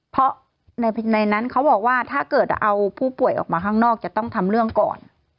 เพราะในนั้นเขาบอกว่าถ้าเกิดเอาผู้ป่วยออกมาข้างนอกจะต้องทำเรื่องก่อน